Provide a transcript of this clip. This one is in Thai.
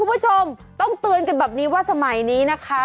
คุณผู้ชมต้องเตือนกันแบบนี้ว่าสมัยนี้นะคะ